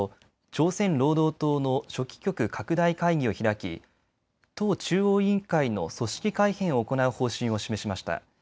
朝鮮労働党の書記局拡大会議を開き党中央委員会の組織改編を行う方針を示しました。